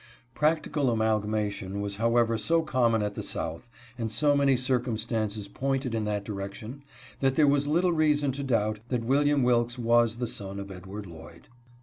Practical amalgamation was how ever so common at the South, and so many circumstances pointed in that direction, that there was little reason to doubt that William Wilks was the son of Edward Lloyd.